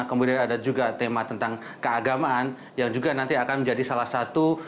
kemudian ada juga tema tentang keagamaan yang juga nanti akan menjadi salah satu